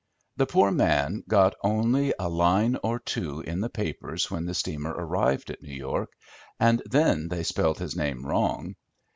The poor man got only a line or two in the papers when the steamer arrived at New York, and then they spelled his name wrong.